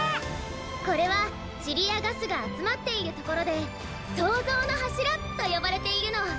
これはチリやガスがあつまっているところで「そうぞうのはしら」とよばれているの。